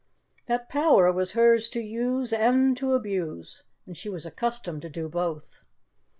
That power was hers to use and to abuse, and she was accustomed to do both.